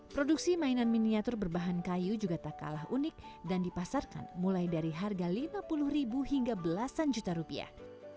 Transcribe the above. produksi mainan miniatur berbahan kayu juga tak kalah unik dan dipasarkan mulai dari harga lima puluh ribu hingga belasan juta rupiah